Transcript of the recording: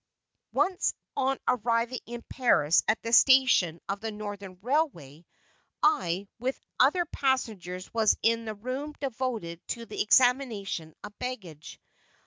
Once on arriving in Paris at the station of the Northern Railway, I, with other passengers, was in the room devoted to the examination of baggage.